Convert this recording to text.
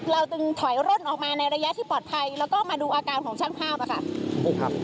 จึงถอยร่นออกมาในระยะที่ปลอดภัยแล้วก็มาดูอาการของช่างภาพอะค่ะ